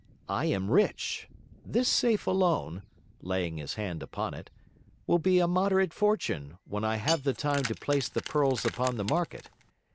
'I am rich. This safe alone' laying his hand upon it 'will be a moderate fortune, when I have the time to place the pearls upon the market.